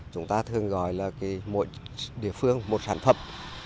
chúng ta thường gọi là mỗi địa phương một sản phẩm